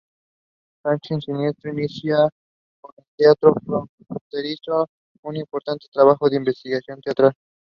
It is part of the Harris Federation.